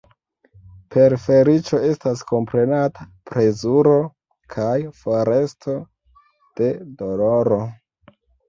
Per feliĉo estas komprenata plezuro kaj foresto de doloro.